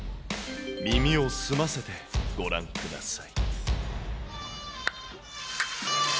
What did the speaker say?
耳を澄ませてご覧ください。